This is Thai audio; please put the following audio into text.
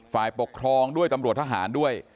ฝ่ายปกครองด้วยตำรวจทหารด้วย